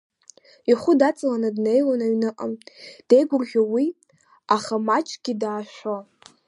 Ихәы даҵалан днеилон аҩныҟа, деигәырӷьо уи, аха маҷкгьы даашәо.